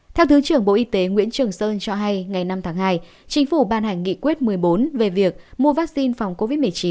theo thứ trưởng bộ y tế nguyễn trường sơn cho hay ngày năm tháng hai chính phủ ban hành nghị quyết một mươi bốn về việc mua vaccine phòng covid một mươi chín